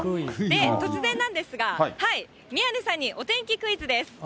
突然なんですが、宮根さんにお天気クイズです。